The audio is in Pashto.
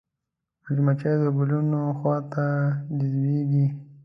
مچمچۍ د ګلونو خوا ته جذبېږي